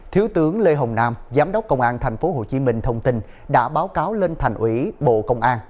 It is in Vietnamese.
thiếu tướng lê hồng nam giám đốc công an tp hcm thông tin đã báo cáo lên thành ủy bộ công an